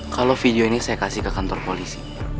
kalau video ini saya kasih ke kantor polisi